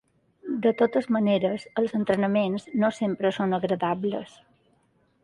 De totes maneres, els entrenaments no sempre són agradables.